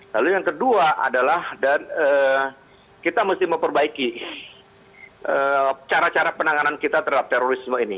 lalu yang kedua adalah kita mesti memperbaiki cara cara penanganan kita terhadap terorisme ini